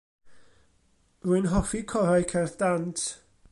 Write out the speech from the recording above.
Rwy'n hoffi corau cerdd dant.